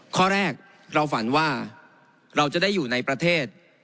ข้อแรกเราฝันว่าเราจะได้อยู่ในประเทศ